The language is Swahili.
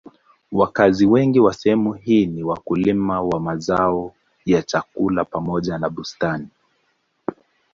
Wakazi wengi wa sehemu hii ni wakulima wa mazao ya chakula pamoja na bustani.